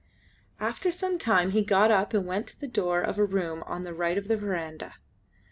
After some time he got up and went to the door of a room on the right of the verandah.